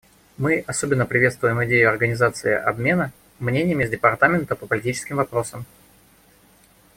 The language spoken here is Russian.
Мы особенно приветствуем идею организации обмена мнениями с Департаментом по политическим вопросам.